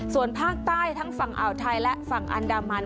ส่วนภาคใต้ทั้งฝั่งอ่าวไทยและฝั่งอันดามัน